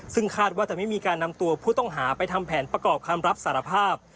ซึ่งคาดว่าจะไม่มีการนำตัวผู้ต้องหาไปทำแผนประกอบคำรับสารภาพ